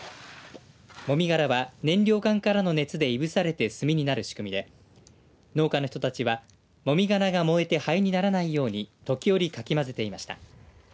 もみ殻は燃料缶からの熱でいぶされて炭になる仕組みで農家の人たちは、もみ殻が燃えて灰にならないように時折、かきまぜていました。